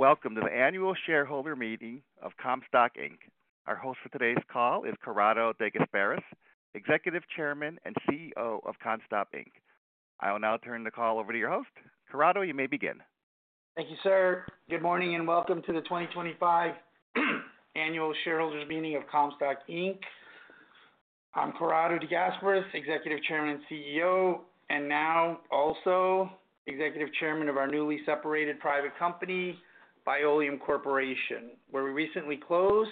Welcome to the annual shareholder meeting of Comstock Inc. Our host for today's call is Corrado De Gasperis, Executive Chairman and CEO of Comstock Inc. I will now turn the call over to your host, Corrado. You may begin. Thank you, sir. Good morning and welcome to the 2025 annual shareholders meeting of Comstock Inc. I'm Corrado De Gasperis, Executive Chairman and CEO, and now also Executive Chairman of our newly separated private company, Bioleum Corporation, where we recently closed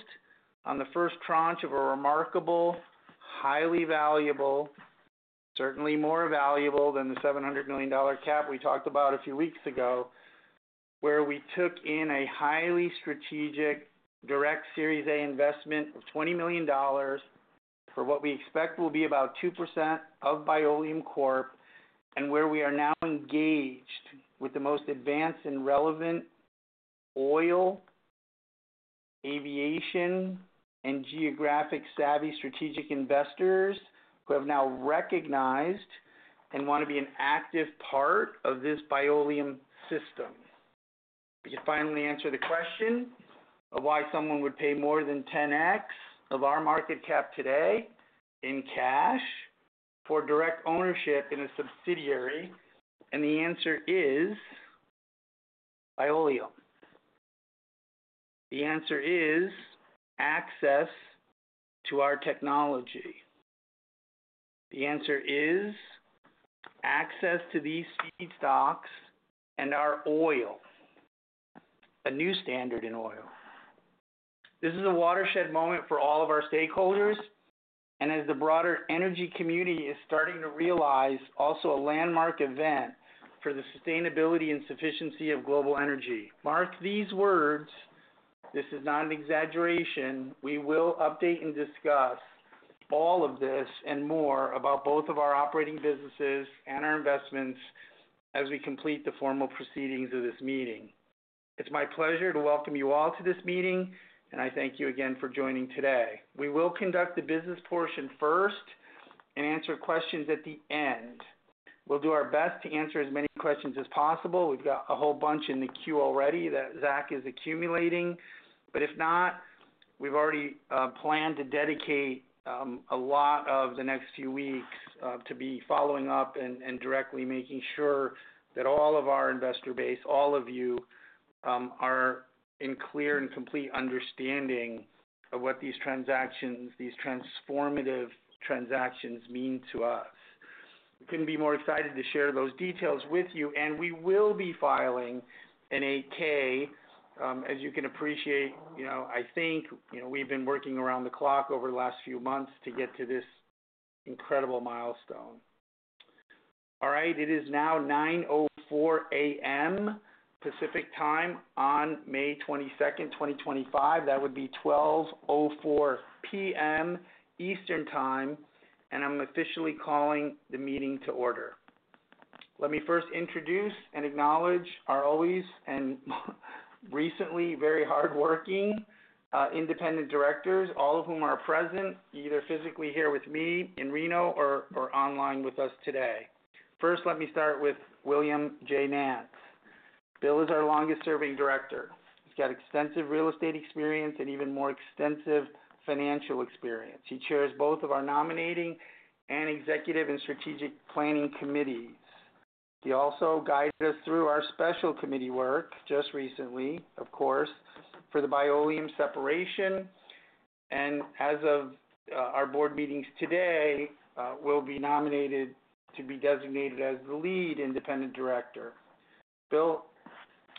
on the first tranche of a remarkable, highly valuable—certainly more valuable than the $700 million cap we talked about a few weeks ago—where we took in a highly strategic direct Series A investment of $20 million for what we expect will be about 2% of Bioleum Corp, and where we are now engaged with the most advanced and relevant oil, aviation, and geographic-savvy strategic investors who have now recognized and want to be an active part of this Bioleum system. You finally answer the question of why someone would pay more than 10x of our market cap today in cash for direct ownership in a subsidiary, and the answer is Bioleum. The answer is access to our technology. The answer is access to these seed stocks and our oil, a new standard in oil. This is a watershed moment for all of our stakeholders, and as the broader energy community is starting to realize also a landmark event for the sustainability and sufficiency of global energy, mark these words—this is not an exaggeration—we will update and discuss all of this and more about both of our operating businesses and our investments as we complete the formal proceedings of this meeting. It's my pleasure to welcome you all to this meeting, and I thank you again for joining today. We will conduct the business portion first and answer questions at the end. We'll do our best to answer as many questions as possible. We've got a whole bunch in the queue already that Zach is accumulating, but if not, we've already planned to dedicate a lot of the next few weeks to be following up and directly making sure that all of our investor base, all of you, are in clear and complete understanding of what these transactions, these transformative transactions, mean to us. We couldn't be more excited to share those details with you, and we will be filing an 8-K. As you can appreciate, I think we've been working around the clock over the last few months to get to this incredible milestone. All right. It is now 9:04 A.M. Pacific Time on May 22nd, 2025. That would be 12:04 P.M. Eastern Time, and I'm officially calling the meeting to order. Let me first introduce and acknowledge our always and recently very hardworking independent directors, all of whom are present either physically here with me in Reno or online with us today. First, let me start with William J. Nance. Bill is our longest-serving director. He's got extensive real estate experience and even more extensive financial experience. He chairs both of our nominating and executive and strategic planning committees. He also guided us through our special committee work just recently, of course, for the Bioleum separation. As of our board meetings today, he will be nominated to be designated as the lead independent director. Bill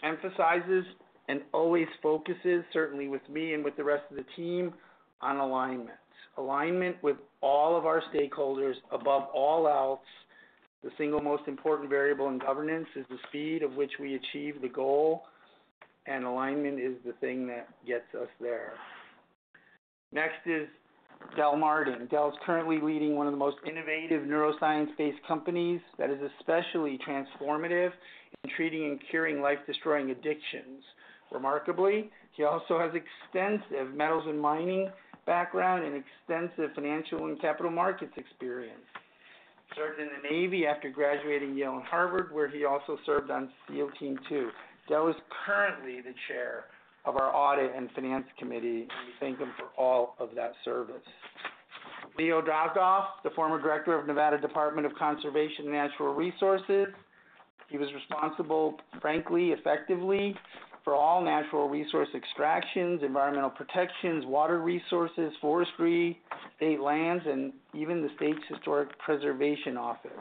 emphasizes and always focuses, certainly with me and with the rest of the team, on alignment. Alignment with all of our stakeholders above all else. The single most important variable in governance is the speed of which we achieve the goal, and alignment is the thing that gets us there. Next is Del Marting. Del's currently leading one of the most innovative neuroscience-based companies that is especially transformative in treating and curing life-destroying addictions. Remarkably, he also has extensive metals and mining background and extensive financial and capital markets experience. He served in the Navy after graduating Yale and Harvard, where he also served on SEAL Team Two. Del is currently the chair of our audit and finance committee, and we thank him for all of that service. Leo Dozdoff, the former director of Nevada Department of Conservation and Natural Resources. He was responsible, frankly, effectively for all natural resource extractions, environmental protections, water resources, forestry, state lands, and even the state's historic preservation office.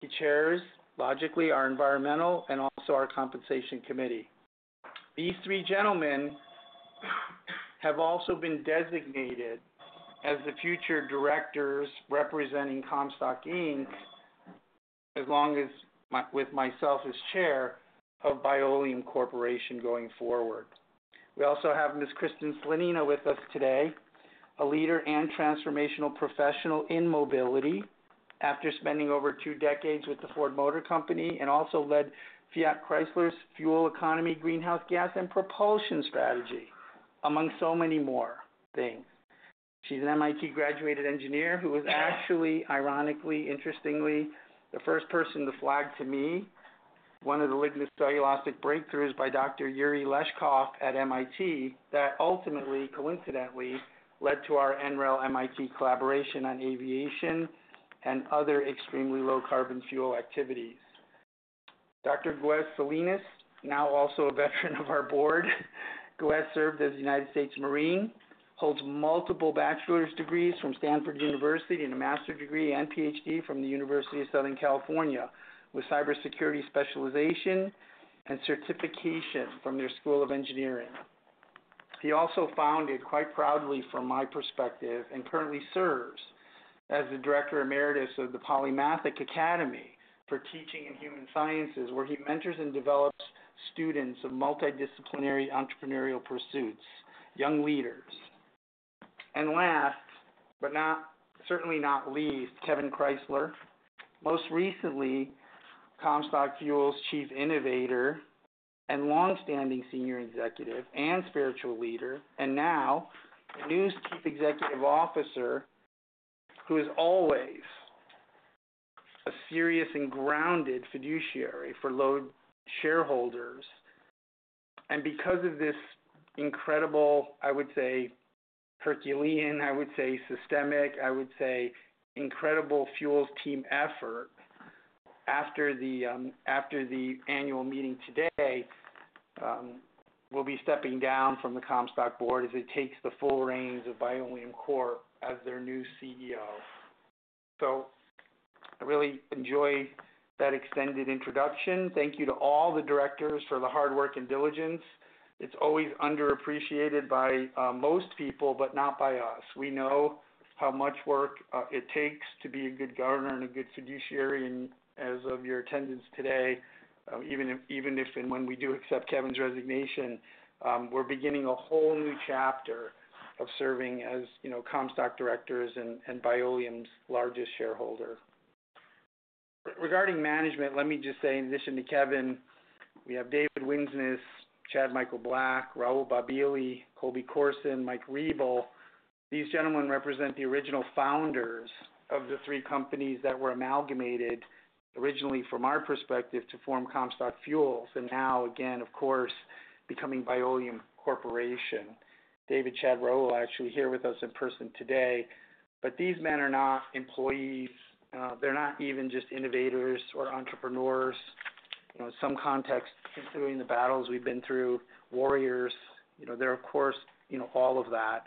He chairs, logically, our environmental and also our compensation committee. These three gentlemen have also been designated as the future directors representing Comstock Inc, along with myself as chair of Bioleum Corporation going forward. We also have Ms. Kristin Slanina with us today, a leader and transformational professional in mobility after spending over two decades with the Ford Motor Company and also led Fiat Chrysler's fuel economy, greenhouse gas, and propulsion strategy, among so many more things. She is an MIT graduated engineer who was actually, ironically, interestingly, the first person to flag to me one of the lignin cellulosic breakthroughs by Dr. Yuriy Leshkov at MIT that ultimately, coincidentally, led to our NREL-MIT collaboration on aviation and other extremely low-carbon fuel activities. Dr. Güez Salinas, now also a veteran of our board, Güez served as a United States Marine, holds multiple bachelor's degrees from Stanford University and a master's degree and PhD from the University of Southern California with cybersecurity specialization and certification from their School of Engineering. He also founded, quite proudly from my perspective, and currently serves as the director emeritus of the Polymathic Academy for Teaching and Human Sciences, where he mentors and develops students of multidisciplinary entrepreneurial pursuits, young leaders. Last, but certainly not least, Kevin Kreisler, most recently Comstock Fuels' chief innovator and longstanding senior executive and spiritual leader, and now a new Chief Executive Officer who is always a serious and grounded fiduciary for LODE shareholders. Because of this incredible, I would say, herculean, I would say, systemic, I would say, incredible fuels team effort after the annual meeting today, we'll be stepping down from the Comstock board as it takes the full reins of Bioleum Corporation as their new CEO. I really enjoy that extended introduction. Thank you to all the directors for the hard work and diligence. It's always underappreciated by most people, but not by us. We know how much work it takes to be a good governor and a good fiduciary. As of your attendance today, even if and when we do accept Kevin's resignation, we're beginning a whole new chapter of serving as Comstock directors and Bioleum's largest shareholder. Regarding management, let me just say, in addition to Kevin, we have David Winsness, Chad Michael Black, Rahul Bobbili, Colby Korsun, Mike Riebel. These gentlemen represent the original founders of the three companies that were amalgamated originally, from our perspective, to form Comstock Fuels and now, again, of course, becoming Bioleum Corporation. David, Chad, Rahul is actually here with us in person today. These men are not employees. They're not even just innovators or entrepreneurs. In some contexts, considering the battles we've been through, warriors, they're, of course, all of that.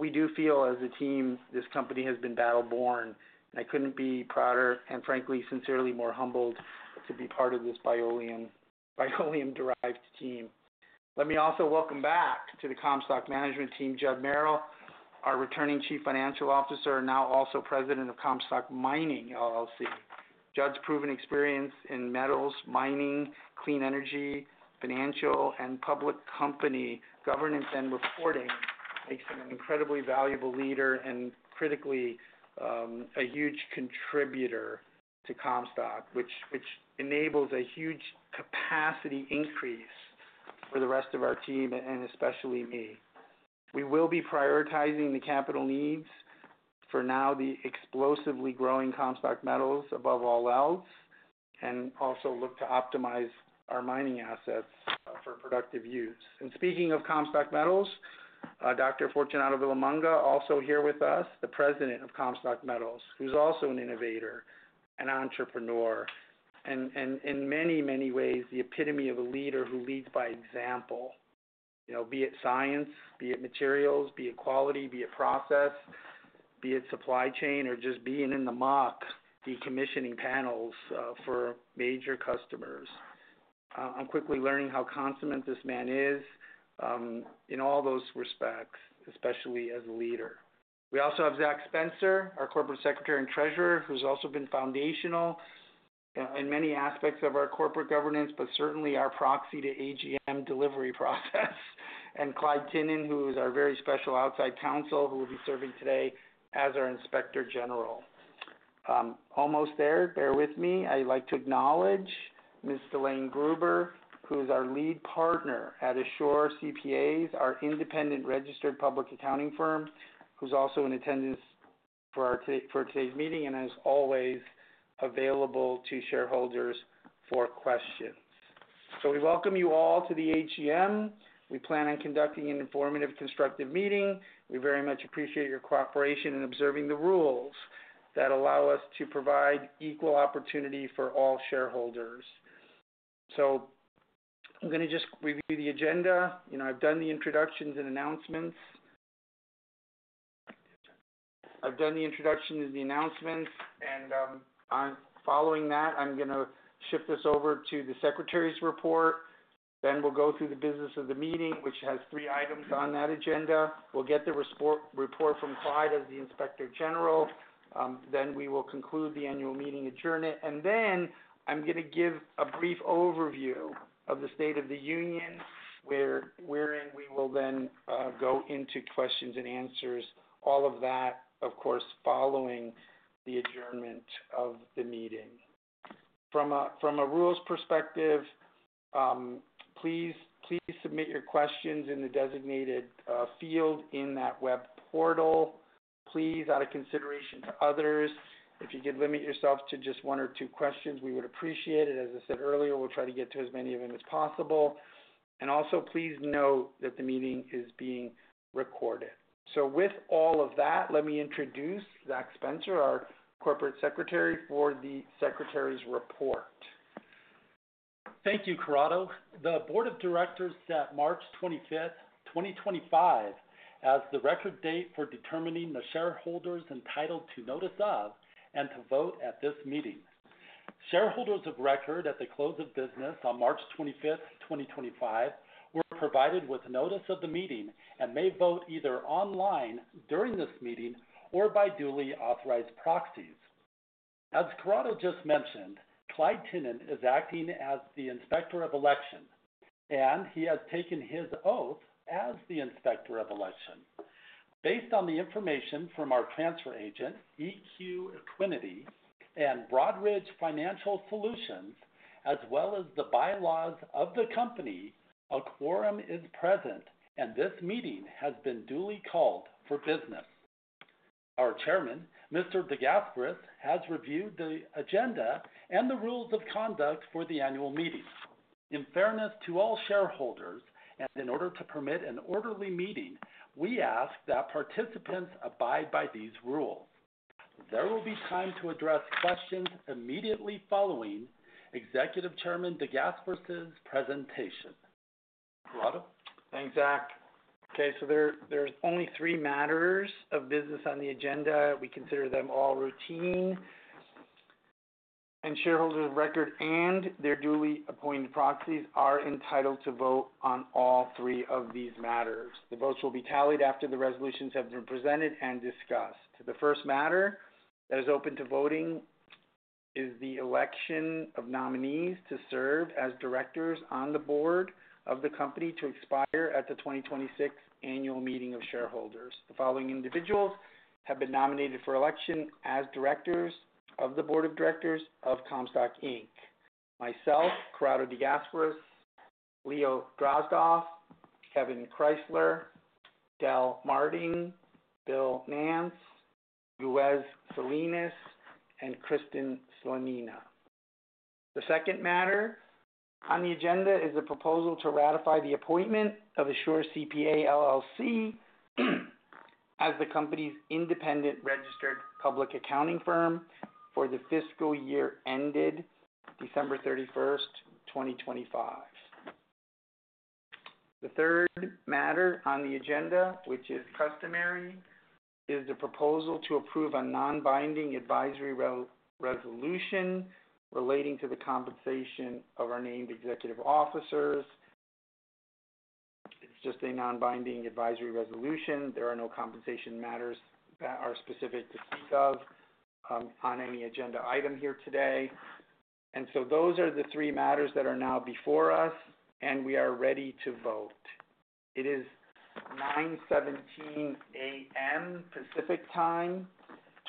We do feel, as a team, this company has been battle-born. I couldn't be prouder and, frankly, sincerely more humbled to be part of this Bioleum-derived team. Let me also welcome back to the Comstock management team, Judd Merrill, our returning Chief Financial Officer, now also President of Comstock Mining. Judd's proven experience in metals, mining, clean energy, financial, and public company governance and reporting makes him an incredibly valuable leader and, critically, a huge contributor to Comstock, which enables a huge capacity increase for the rest of our team and especially me. We will be prioritizing the capital needs for now the explosively growing Comstock Metals above all else and also look to optimize our mining assets for productive use. Speaking of Comstock Metals, Dr. Fortunato Villamagna, also here with us, the President of Comstock Metals, who's also an innovator, an entrepreneur, and in many, many ways, the epitome of a leader who leads by example, be it science, be it materials, be it quality, be it process, be it supply chain, or just being in the mock decommissioning panels for major customers. I'm quickly learning how consummate this man is in all those respects, especially as a leader. We also have Zach Spencer, our Corporate Secretary and Treasurer, who's also been foundational in many aspects of our corporate governance, but certainly our proxy to AGM delivery process, and Clyde Tinnen, who is our very special outside counsel who will be serving today as our inspector general. Almost there. Bear with me. I'd like to acknowledge Ms. Delaine Gruber, who is our lead partner at Assure CPA, our independent registered public accounting firm, who's also in attendance for today's meeting and is always available to shareholders for questions. We welcome you all to the AGM. We plan on conducting an informative, constructive meeting. We very much appreciate your cooperation in observing the rules that allow us to provide equal opportunity for all shareholders. I'm going to just review the agenda. I've done the introductions and announcements. I've done the introductions and the announcements. Following that, I'm going to shift this over to the secretary's report. Then we'll go through the business of the meeting, which has three items on that agenda. We'll get the report from Clyde as the inspector general. We will conclude the annual meeting adjournment. I'm going to give a brief overview of the state of the union, wherein we will then go into questions and answers, all of that, of course, following the adjournment of the meeting. From a rules perspective, please submit your questions in the designated field in that web portal. Please, out of consideration to others, if you could limit yourself to just one or two questions, we would appreciate it. As I said earlier, we'll try to get to as many of them as possible. Also, please note that the meeting is being recorded. With all of that, let me introduce Zach Spencer, our Corporate Secretary, for the Secretary's report. Thank you, Corrado. The Board of Directors set March 25th, 2025, as the record date for determining the shareholders entitled to notice of and to vote at this meeting. Shareholders of record at the close of business on March 25th, 2025, were provided with notice of the meeting and may vote either online during this meeting or by duly authorized proxies. As Corrado just mentioned, Clyde Tinnen is acting as the Inspector of Election, and he has taken his oath as the Inspector of Election. Based on the information from our transfer agent, EQ Equinity and Broadridge Financial Solutions, as well as the bylaws of the company, a quorum is present, and this meeting has been duly called for business. Our Chairman, Mr. De Gasperis has reviewed the agenda and the rules of conduct for the annual meeting. In fairness to all shareholders and in order to permit an orderly meeting, we ask that participants abide by these rules. There will be time to address questions immediately following Executive Chairman De Gasperis's presentation. Corrado? Thanks, Zach. Okay. There are only three matters of business on the agenda. We consider them all routine. Shareholders of record and their duly appointed proxies are entitled to vote on all three of these matters. The votes will be tallied after the resolutions have been presented and discussed. The first matter that is open to voting is the election of nominees to serve as directors on the board of the company to expire at the 2026 annual meeting of shareholders. The following individuals have been nominated for election as directors of the board of directors of Comstock: myself, Corrado De Gasperis, Leo Dozdoff, Kevin Kreisler, Del Marting, Bill Nance, Güez Salinas, and Kristin Slanina. The second matter on the agenda is the proposal to ratify the appointment of Assure CPA LLC as the company's independent registered public accounting firm for the fiscal year ended December 31st, 2025. The third matter on the agenda, which is customary, is the proposal to approve a non-binding advisory resolution relating to the compensation of our named executive officers. It's just a non-binding advisory resolution. There are no compensation matters that are specific to speak of on any agenda item here today. Those are the three matters that are now before us, and we are ready to vote. It is 9:17 A.M. Pacific Time,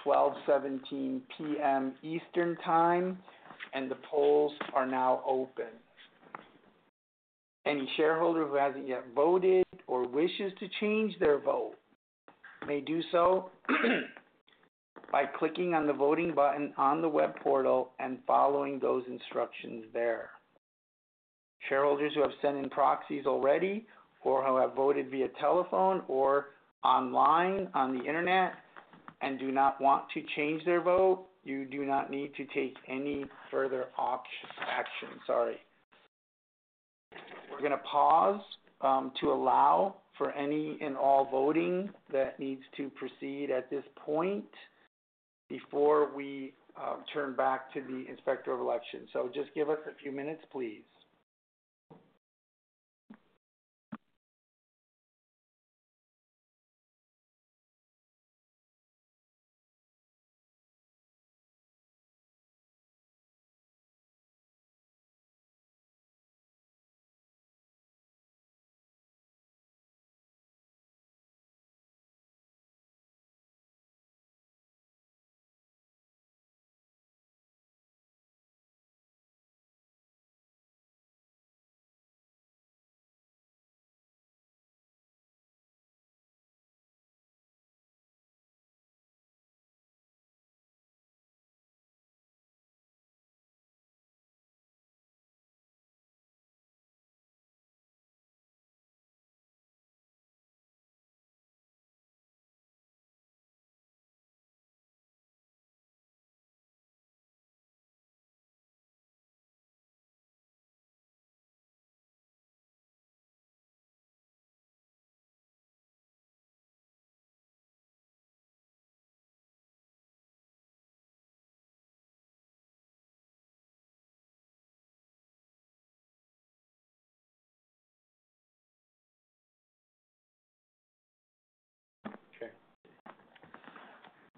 12:17 P.M. Eastern Time, and the polls are now open. Any shareholder who has not yet voted or wishes to change their vote may do so by clicking on the voting button on the web portal and following those instructions there. Shareholders who have sent in proxies already or who have voted via telephone or online on the internet and do not want to change their vote, you do not need to take any further action. Sorry. We are going to pause to allow for any and all voting that needs to proceed at this point before we turn back to the inspector of elections. Just give us a few minutes, please.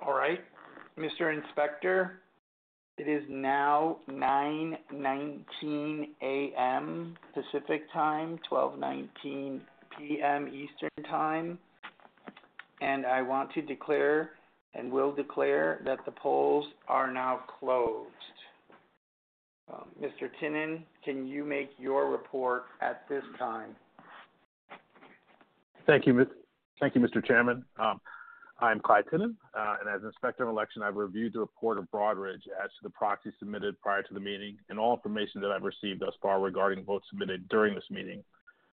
Okay. All right. Mr. Inspector, it is now 9:19 A.M. Pacific Time, 12:19 P.M. Eastern Time. I want to declare and will declare that the polls are now closed. Mr. Tinnen, can you make your report at this time? Thank you, Mr. Chairman. I'm Clyde Tinnen. As inspector of election, I've reviewed the report of Broadridge as to the proxies submitted prior to the meeting and all information that I've received thus far regarding votes submitted during this meeting.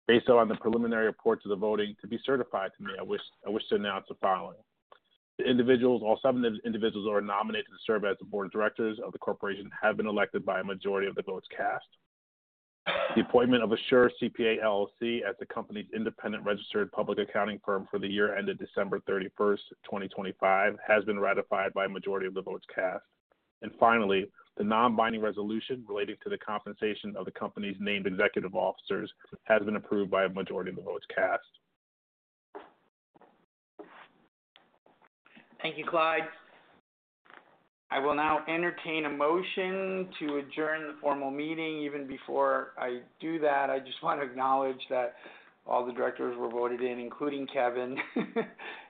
Based on the preliminary reports of the voting to be certified to me, I wish to announce the following. All seven individuals who are nominated to serve as the board of directors of the corporation have been elected by a majority of the votes cast. The appointment of Assure CPA LLC as the company's independent registered public accounting firm for the year ended December 31st, 2025, has been ratified by a majority of the votes cast. Finally, the non-binding resolution relating to the compensation of the company's named executive officers has been approved by a majority of the votes cast. Thank you, Clyde. I will now entertain a motion to adjourn the formal meeting. Even before I do that, I just want to acknowledge that all the directors were voted in, including Kevin,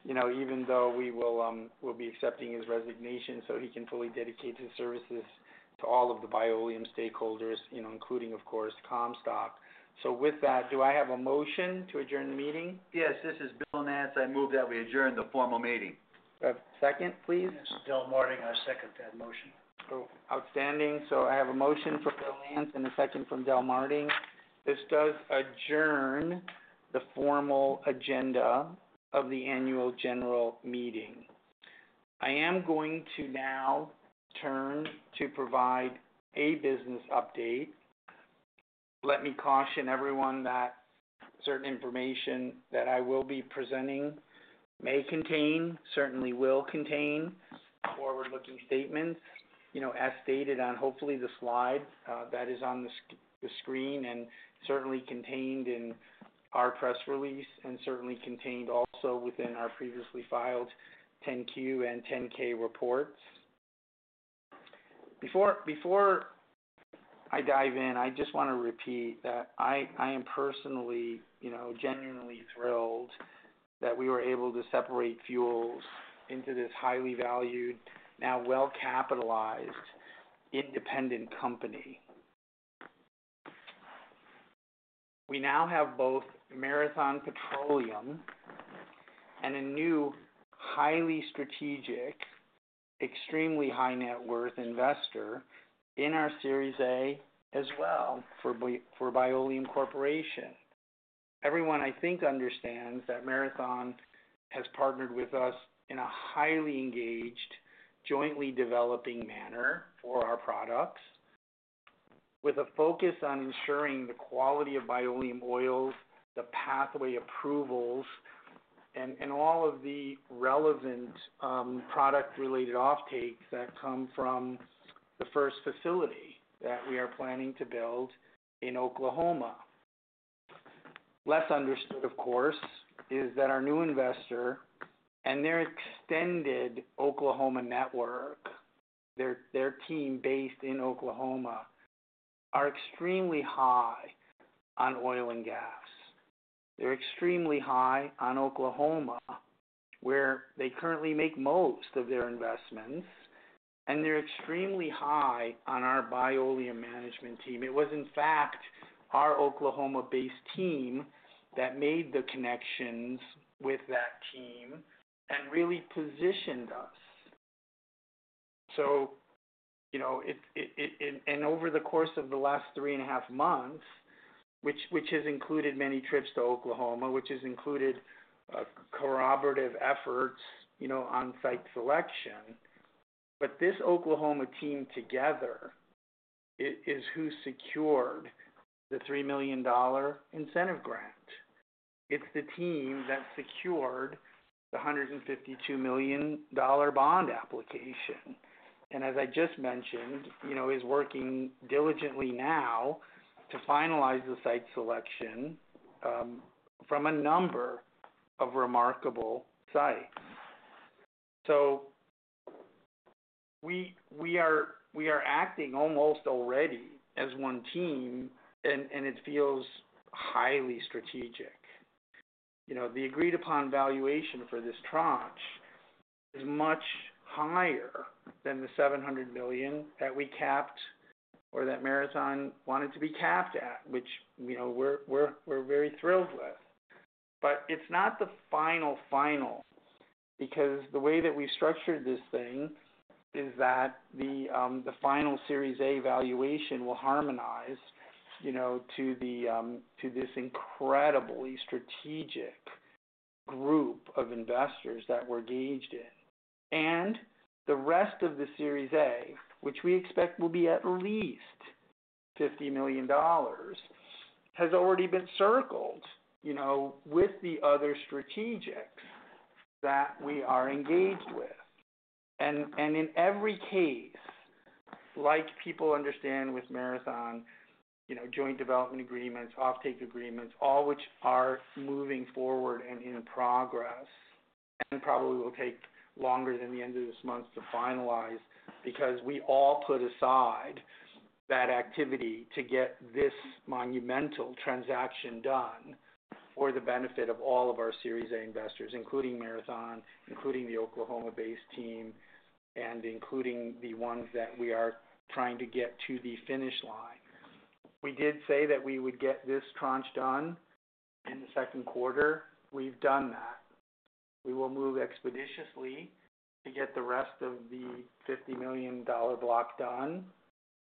even though we will be accepting his resignation so he can fully dedicate his services to all of the Bioleum stakeholders, including, of course, Comstock. With that, do I have a motion to adjourn the meeting? Yes. This is Bill Nance. I move that we adjourn the formal meeting. A second, please? Yes. Del Marting, I second that motion. Outstanding. I have a motion from Bill Nance and a second from Del Marting. This does adjourn the formal agenda of the annual general meeting. I am going to now turn to provide a business update. Let me caution everyone that certain information that I will be presenting may contain, certainly will contain, forward-looking statements as stated on, hopefully, the slide that is on the screen and certainly contained in our press release and certainly contained also within our previously filed 10-Q and 10-K reports. Before I dive in, I just want to repeat that I am personally genuinely thrilled that we were able to separate fuels into this highly valued, now well-capitalized, independent company. We now have both Marathon Petroleum and a new, highly strategic, extremely high-net-worth investor in our Series A as well for Bioleum Corporation. Everyone, I think, understands that Marathon has partnered with us in a highly engaged, jointly developing manner for our products, with a focus on ensuring the quality of Bioleum oils, the pathway approvals, and all of the relevant product-related offtakes that come from the first facility that we are planning to build in Oklahoma. Less understood, of course, is that our new investor and their extended Oklahoma network, their team based in Oklahoma, are extremely high on oil and gas. They're extremely high on Oklahoma, where they currently make most of their investments, and they're extremely high on our Bioleum management team. It was, in fact, our Oklahoma-based team that made the connections with that team and really positioned us. Over the course of the last three and a half months, which has included many trips to Oklahoma, which has included corroborative efforts on site selection, this Oklahoma team together is who secured the $3 million incentive grant. It is the team that secured the $152 million bond application and, as I just mentioned, is working diligently now to finalize the site selection from a number of remarkable sites. We are acting almost already as one team, and it feels highly strategic. The agreed-upon valuation for this tranche is much higher than the $700 million that we capped or that Marathon wanted to be capped at, which we are very thrilled with. It is not the final, final, because the way that we have structured this thing is that the final Series A valuation will harmonize to this incredibly strategic group of investors that we are engaged in. The rest of the Series A, which we expect will be at least $50 million, has already been circled with the other strategics that we are engaged with. In every case, like people understand with Marathon, joint development agreements, offtake agreements, all which are moving forward and in progress and probably will take longer than the end of this month to finalize because we all put aside that activity to get this monumental transaction done for the benefit of all of our Series A investors, including Marathon, including the Oklahoma-based team, and including the ones that we are trying to get to the finish line. We did say that we would get this tranche done in the second quarter. We have done that. We will move expeditiously to get the rest of the $50 million block done.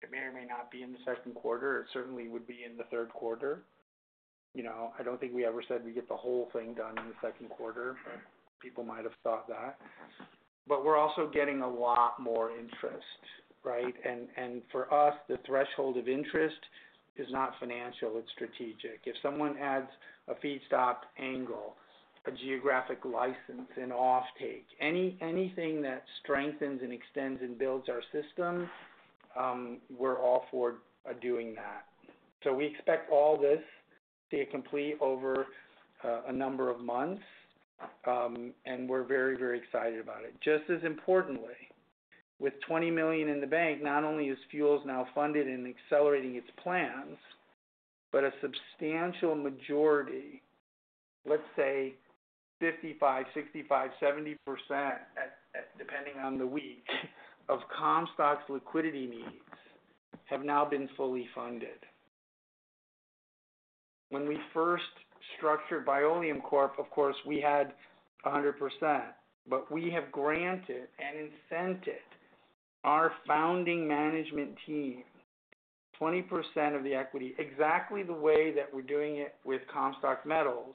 It may or may not be in the second quarter. It certainly would be in the third quarter. I do not think we ever said we would get the whole thing done in the second quarter, but people might have thought that. We are also getting a lot more interest, right? For us, the threshold of interest is not financial. It is strategic. If someone adds a feedstock angle, a geographic license, an offtake, anything that strengthens and extends and builds our system, we are all for doing that. We expect all this to be complete over a number of months, and we are very, very excited about it. Just as importantly, with $20 million in the bank, not only is Fuels now funded and accelerating its plans, but a substantial majority, let's say 55%, 65%, 70%, depending on the week, of Comstock's liquidity needs have now been fully funded. When we first structured Bioleum Corp, of course, we had 100%, but we have granted and incented our founding management team 20% of the equity, exactly the way that we're doing it with Comstock Metals,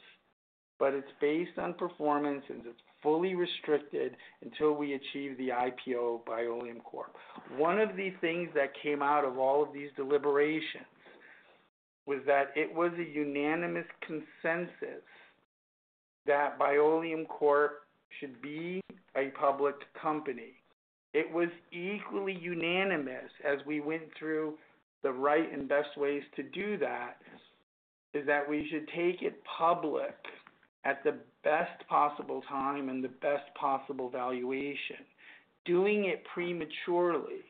but it's based on performance, and it's fully restricted until we achieve the IPO of Bioleum Corp. One of the things that came out of all of these deliberations was that it was a unanimous consensus that Bioleum Corp should be a public company. It was equally unanimous as we went through the right and best ways to do that, is that we should take it public at the best possible time and the best possible valuation. Doing it prematurely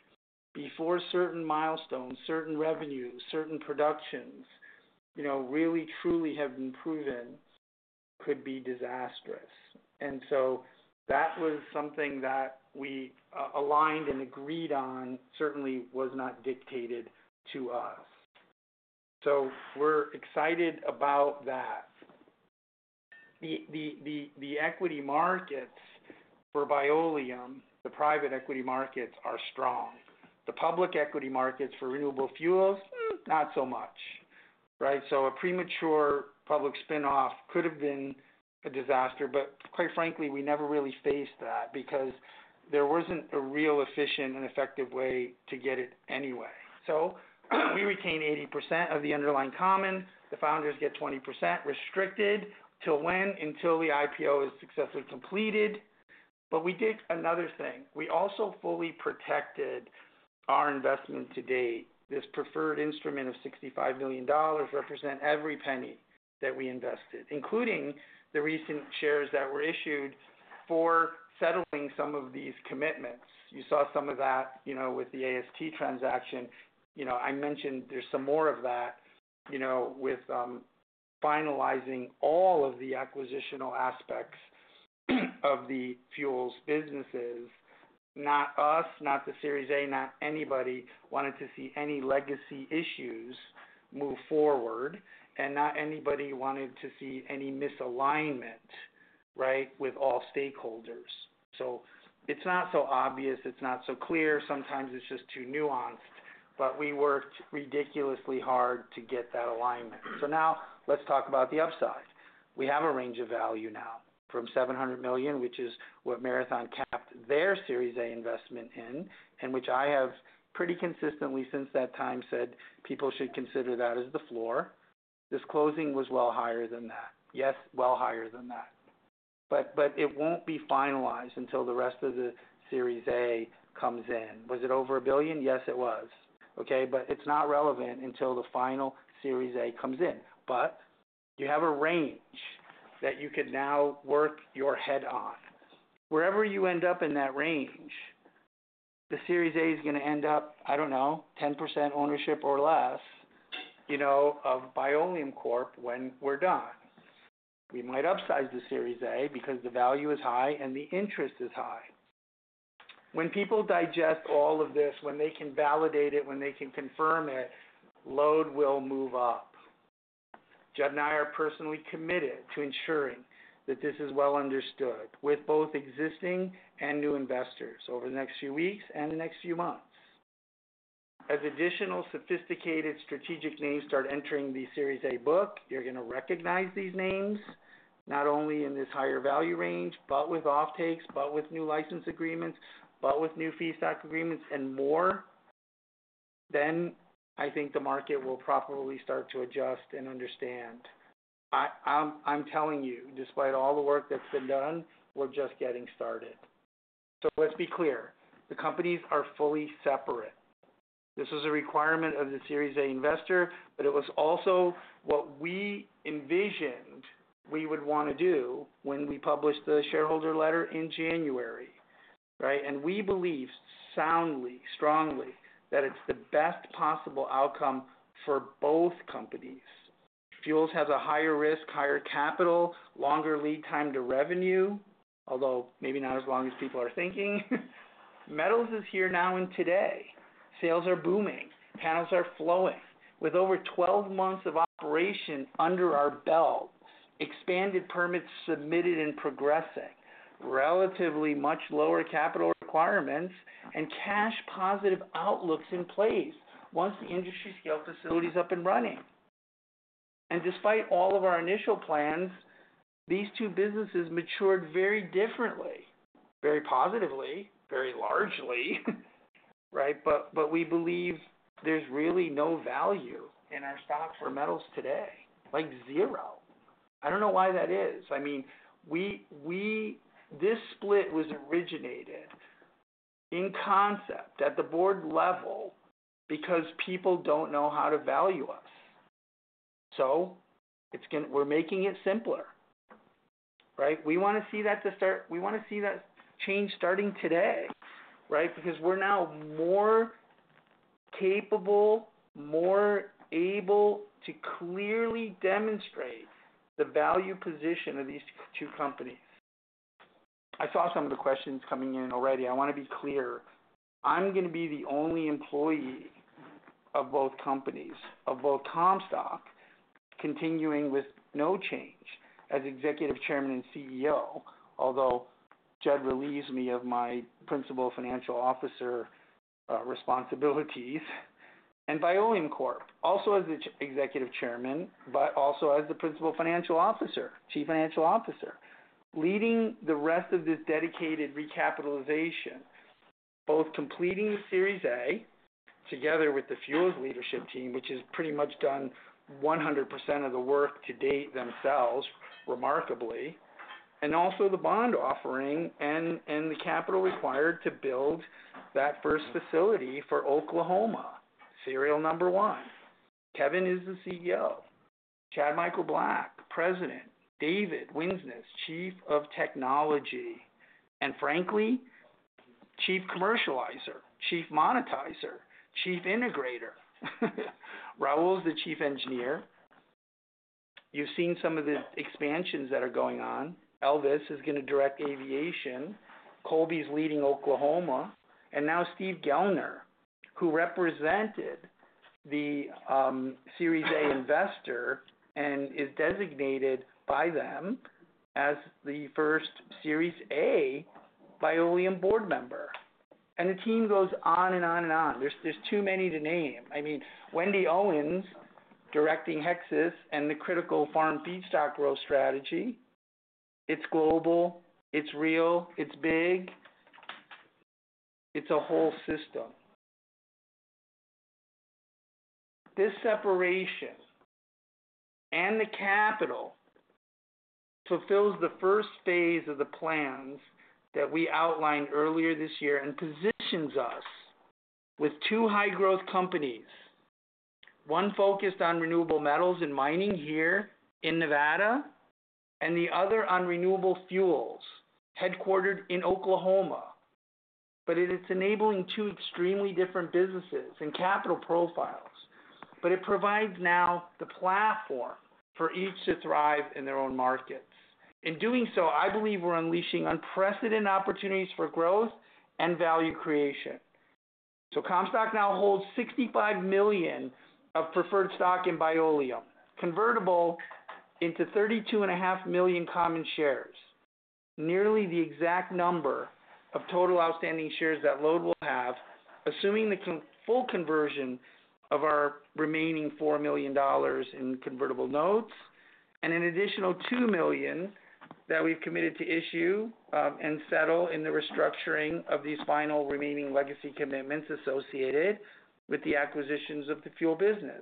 before certain milestones, certain revenues, certain productions really, truly have been proven could be disastrous. That was something that we aligned and agreed on certainly was not dictated to us. We're excited about that. The equity markets for Bioleum, the private equity markets, are strong. The public equity markets for renewable fuels, not so much, right? A premature public spinoff could have been a disaster, but quite frankly, we never really faced that because there wasn't a real efficient and effective way to get it anyway. We retain 80% of the underlying common. The founders get 20% restricted. Until when? Until the IPO is successfully completed. We did another thing. We also fully protected our investment to date. This preferred instrument of $65 million represents every penny that we invested, including the recent shares that were issued for settling some of these commitments. You saw some of that with the AST transaction. I mentioned there's some more of that with finalizing all of the acquisitional aspects of the Fuels businesses. Not us, not the Series A, not anybody wanted to see any legacy issues move forward, and not anybody wanted to see any misalignment, right, with all stakeholders. It is not so obvious. It is not so clear. Sometimes it is just too nuanced, but we worked ridiculously hard to get that alignment. Now let's talk about the upside. We have a range of value now from $700 million, which is what Marathon capped their Series A investment in, and which I have pretty consistently since that time said people should consider that as the floor. This closing was well higher than that. Yes, well higher than that. It will not be finalized until the rest of the Series A comes in. Was it over a billion? Yes, it was. Okay. It is not relevant until the final Series A comes in. You have a range that you could now work your head on. Wherever you end up in that range, the Series A is going to end up, I don't know, 10% ownership or less of Bioleum when we're done. We might upsize the Series A because the value is high and the interest is high. When people digest all of this, when they can validate it, when they can confirm it, LODE will move up. Judd and I are personally committed to ensuring that this is well understood with both existing and new investors over the next few weeks and the next few months. As additional sophisticated strategic names start entering the Series A book, you're going to recognize these names not only in this higher value range, but with offtakes, but with new license agreements, but with new feedstock agreements, and more, then I think the market will probably start to adjust and understand. I'm telling you, despite all the work that's been done, we're just getting started. Let's be clear. The companies are fully separate. This was a requirement of the Series A investor, but it was also what we envisioned we would want to do when we published the shareholder letter in January, right? We believe soundly, strongly that it's the best possible outcome for both companies. Fuels has a higher risk, higher capital, longer lead time to revenue, although maybe not as long as people are thinking. Metals is here now and today. Sales are booming. Panels are flowing. With over 12 months of operation under our belt, expanded permits submitted and progressing, relatively much lower capital requirements, and cash-positive outlooks in place once the industry-scale facility is up and running. Despite all of our initial plans, these two businesses matured very differently, very positively, very largely, right? We believe there's really no value in our stock for Metals today, like zero. I don't know why that is. I mean, this split was originated in concept at the board level because people don't know how to value us. We are making it simpler, right? We want to see that to start. We want to see that change starting today, right? Because we're now more capable, more able to clearly demonstrate the value position of these two companies. I saw some of the questions coming in already. I want to be clear. I'm going to be the only employee of both companies, of both Comstock, continuing with no change as Executive Chairman and CEO, although Judd relieves me of my principal financial officer responsibilities. In Bioleum, also as the Executive Chairman, but also as the principal financial officer, Chief Financial Officer, leading the rest of this dedicated recapitalization, both completing the Series A together with the Fuels leadership team, which has pretty much done 100% of the work to date themselves, remarkably, and also the bond offering and the capital required to build that first facility for Oklahoma, serial number one. Kevin is the CEO. Chad Michael Black, President. David Winsness, Chief of Technology. And frankly, chief commercializer, chief monetizer, chief integrator. Rahul's the Chief Engineer. You've seen some of the expansions that are going on. Elvis is going to direct aviation. Colby's leading Oklahoma. Now Steve Gellner, who represented the Series A investor and is designated by them as the first Series A Bioleum board member. The team goes on and on and on. There are too many to name. I mean, Wendy Owens directing Hexas and the critical farm feedstock growth strategy. It is global. It is real. It is big. It is a whole system. This separation and the capital fulfills the first phase of the plans that we outlined earlier this year and positions us with two high-growth companies, one focused on renewable metals and mining here in Nevada and the other on renewable fuels headquartered in Oklahoma. It is enabling two extremely different businesses and capital profiles. It provides now the platform for each to thrive in their own markets. In doing so, I believe we are unleashing unprecedented opportunities for growth and value creation. Comstock now holds 65 million of preferred stock in Bioleum, convertible into 32.5 million common shares, nearly the exact number of total outstanding shares that LODE will have, assuming the full conversion of our remaining $4 million in convertible notes and an additional $2 million that we've committed to issue and settle in the restructuring of these final remaining legacy commitments associated with the acquisitions of the fuel business.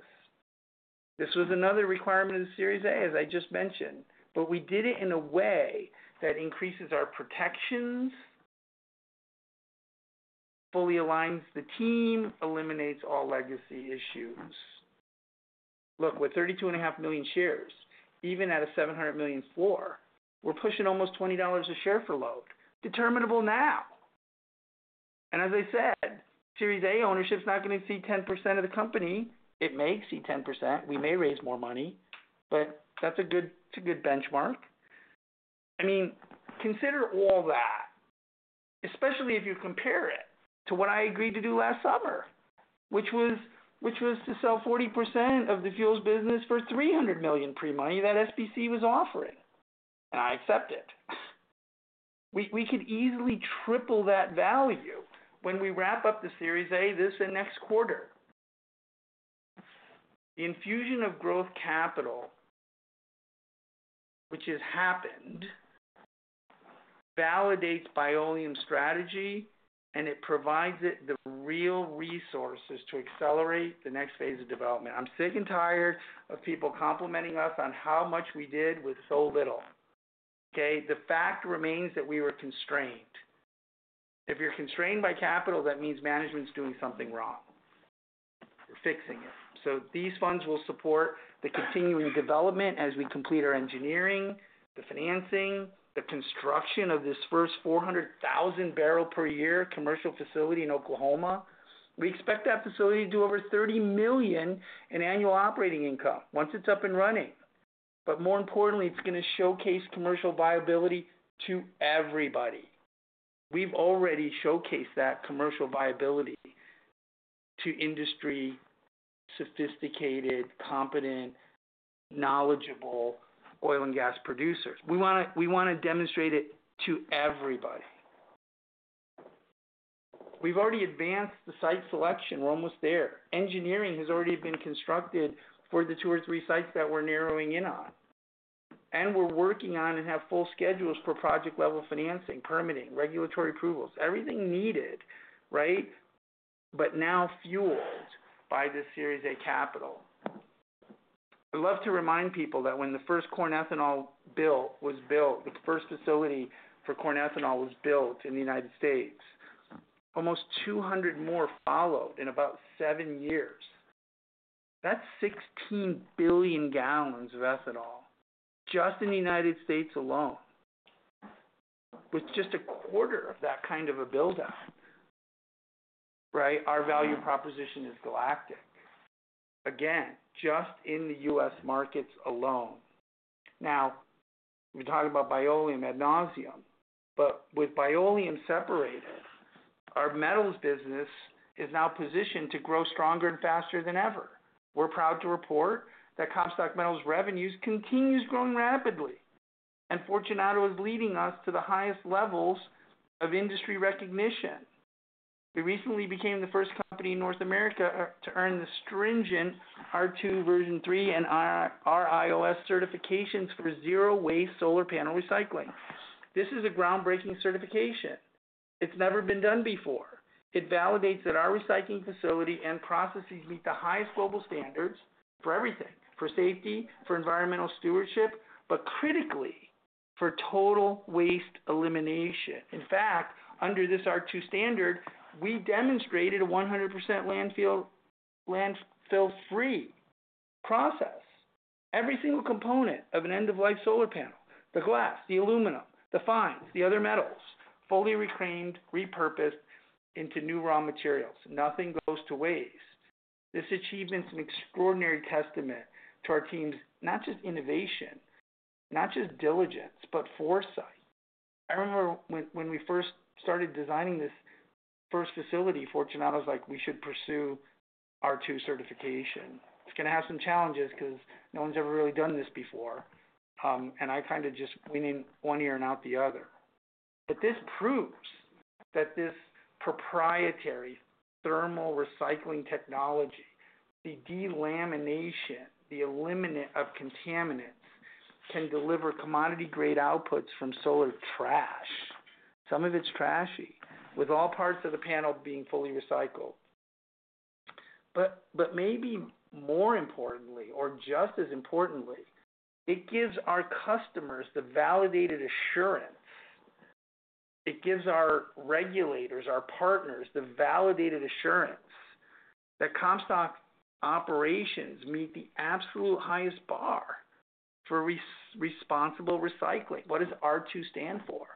This was another requirement of the Series A, as I just mentioned, but we did it in a way that increases our protections, fully aligns the team, eliminates all legacy issues. Look, with 32.5 million shares, even at a $700 million floor, we're pushing almost $20 a share for LODE, determinable now. As I said, Series A ownership's not going to exceed 10% of the company. It may exceed 10%. We may raise more money, but that's a good benchmark. I mean, consider all that, especially if you compare it to what I agreed to do last summer, which was to sell 40% of the Fuels business for $300 million pre-money that SBC was offering. And I accept it. We could easily triple that value when we wrap up the Series A this and next quarter. The infusion of growth capital, which has happened, validates Bioleum's strategy, and it provides it the real resources to accelerate the next phase of development. I'm sick and tired of people complimenting us on how much we did with so little. Okay? The fact remains that we were constrained. If you're constrained by capital, that means management's doing something wrong. We're fixing it. These funds will support the continuing development as we complete our engineering, the financing, the construction of this first 400,000-barrel-per-year commercial facility in Oklahoma. We expect that facility to do over $30 million in annual operating income once it's up and running. More importantly, it's going to showcase commercial viability to everybody. We've already showcased that commercial viability to industry-sophisticated, competent, knowledgeable oil and gas producers. We want to demonstrate it to everybody. We've already advanced the site selection. We're almost there. Engineering has already been constructed for the two or three sites that we're narrowing in on. We're working on and have full schedules for project-level financing, permitting, regulatory approvals, everything needed, right? Now fueled by the Series A capital. I'd love to remind people that when the first corn ethanol bill was built, the first facility for corn ethanol was built in the United States, almost 200 more followed in about seven years. That's 16 billion gallons of ethanol just in the United States alone, with just a quarter of that kind of a build-out, right? Our value proposition is galactic. Again, just in the U.S. markets alone. Now, we're talking about Bioleum ad nauseam, but with Bioleum separated, our metals business is now positioned to grow stronger and faster than ever. We're proud to report that Comstock Metals' revenues continue growing rapidly, and Fortunato is leading us to the highest levels of industry recognition. We recently became the first company in North America to earn the stringent R2, Version 3, and RIOS certifications for zero-waste solar panel recycling. This is a groundbreaking certification. It's never been done before. It validates that our recycling facility and processes meet the highest global standards for everything: for safety, for environmental stewardship, but critically, for total waste elimination. In fact, under this R2 standard, we demonstrated a 100% landfill-free process. Every single component of an end-of-life solar panel: the glass, the aluminum, the fines, the other metals, fully reclaimed, repurposed into new raw materials. Nothing goes to waste. This achievement's an extraordinary testament to our team's not just innovation, not just diligence, but foresight. I remember when we first started designing this first facility, Fortunato was like, "We should pursue R2 certification." It's going to have some challenges because no one's ever really done this before. I kind of just went in one ear and out the other. This proves that this proprietary thermal recycling technology, the delamination, the elimination of contaminants, can deliver commodity-grade outputs from solar trash. Some of it is trashy, with all parts of the panel being fully recycled. Maybe more importantly, or just as importantly, it gives our customers the validated assurance. It gives our regulators, our partners, the validated assurance that Comstock operations meet the absolute highest bar for responsible recycling. What does R2 stand for?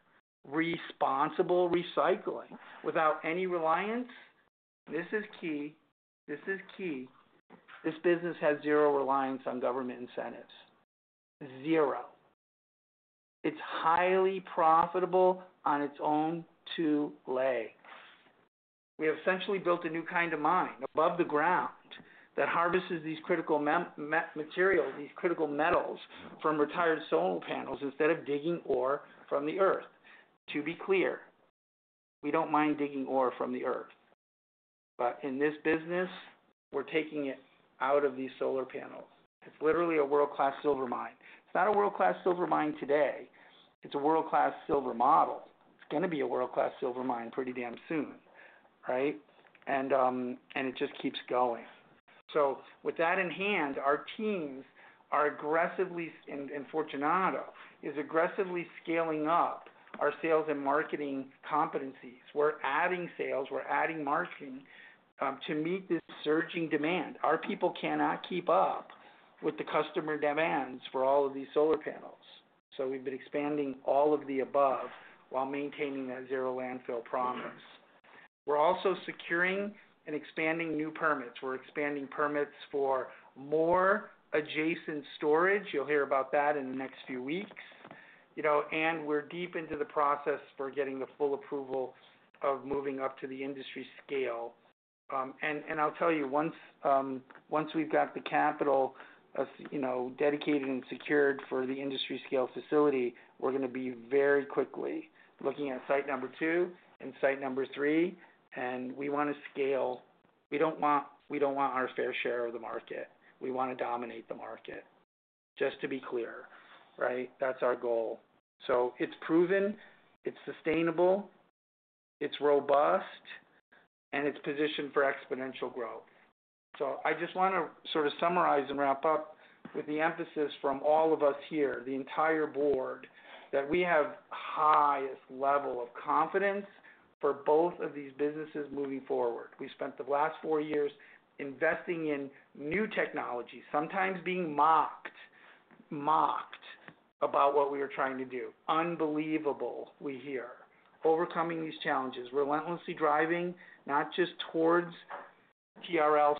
Responsible recycling. Without any reliance—this is key. This is key. This business has zero reliance on government incentives. Zero. It is highly profitable on its own two legs. We have essentially built a new kind of mine above the ground that harvests these critical materials, these critical metals from retired solar panels instead of digging ore from the earth. To be clear, we do not mind digging ore from the earth. In this business, we are taking it out of these solar panels. It is literally a world-class silver mine. It is not a world-class silver mine today. It's a world-class silver model. It's going to be a world-class silver mine pretty damn soon, right? It just keeps going. With that in hand, our teams are aggressively—and Fortunato is aggressively scaling up our sales and marketing competencies. We're adding sales. We're adding marketing to meet this surging demand. Our people cannot keep up with the customer demands for all of these solar panels. We've been expanding all of the above while maintaining that zero landfill promise. We're also securing and expanding new permits. We're expanding permits for more adjacent storage. You'll hear about that in the next few weeks. We're deep into the process for getting the full approval of moving up to the industry scale. I'll tell you, once we've got the capital dedicated and secured for the industry-scale facility, we're going to be very quickly looking at site number two and site number three. We want to scale. We don't want our fair share of the market. We want to dominate the market, just to be clear, right? That's our goal. It's proven. It's sustainable. It's robust. It's positioned for exponential growth. I just want to sort of summarize and wrap up with the emphasis from all of us here, the entire board, that we have the highest level of confidence for both of these businesses moving forward. We spent the last four years investing in new technology, sometimes being mocked about what we were trying to do. Unbelievable, we hear. Overcoming these challenges, relentlessly driving not just towards TRL6,